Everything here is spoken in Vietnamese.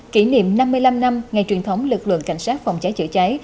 kỷ niệm năm mươi năm năm ngày truyền thống lực lượng cảnh sát phòng cháy chữa cháy